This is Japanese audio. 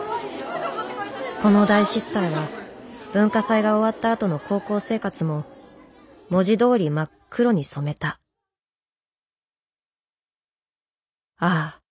この大失態は文化祭が終わったあとの高校生活も文字どおり真っ黒に染めたああ